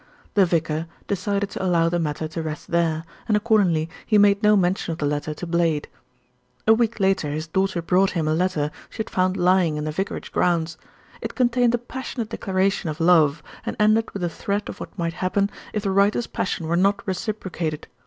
The vicar decided to allow the matter to rest there, and accordingly he made no mention of the letter to Blade. A week later his daughter brought him a letter she had found lying in the vicarage grounds. It contained a passionate declaration of love, and ended with a threat of what might happen if the writer's passion were not reciprocated.